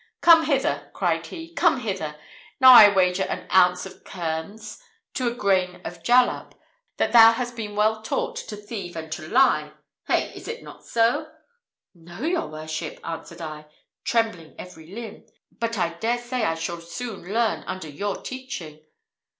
'Come hither,' cried he, 'come hither! Now I wager an ounce of kermes to a grain of jalap that thou hast been well taught to thieve and to lie! Hey? Is it not so?' 'No, your worship,' answered I, trembling every limb, 'but I dare say I shall soon learn under your teaching.'